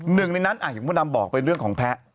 หนึ่งในนั้นอย่างมดดำบอกเป็นเรื่องของแพ้